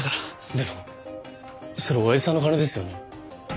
でもそれおやじさんの金ですよね？